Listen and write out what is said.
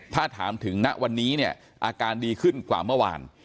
ถ้าถามถึงณวันนี้เนี่ยอาการดีขึ้นกว่าเมื่อวาน